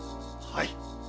はい。